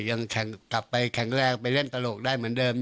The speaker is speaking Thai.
ยังกลับไปแข็งแรงไปเล่นตลกได้เหมือนเดิม